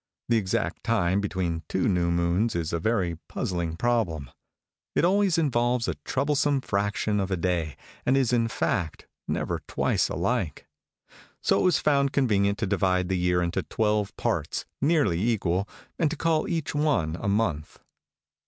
The exact time between two new moons is a very puzzling problem. It always involves a troublesome fraction of a day, and is, in fact, never twice alike. So it was found convenient to divide the year into twelve parts, nearly equal, and to call each one a month."